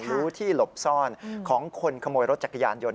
รู้ที่หลบซ่อนของคนขโมยรถจักรยานยนต